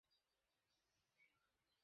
গিঁটের গোড়া থেকে একটা করে বের হয় লম্বা পাতা।